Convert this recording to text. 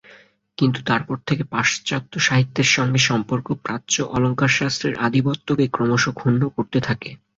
কিন্তু তারপর থেকে পাশ্চাত্য সাহিত্যের সঙ্গে সম্পর্ক প্রাচ্য অলঙ্কারশাস্ত্রের আধিপত্যকে ক্রমশ ক্ষুণ্ণ করতে থাকে।